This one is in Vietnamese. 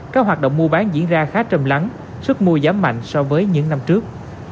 các hoạt động mua bán diễn ra khá trầm lắng sức mua giảm mạnh so với những năm trước